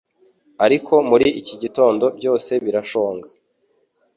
ariko muri iki gitondo byose birashonga